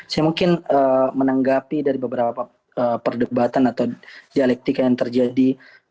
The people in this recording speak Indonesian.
saya mungkin menanggapi dari beberapa perdebatan atau dialektika yang terjadi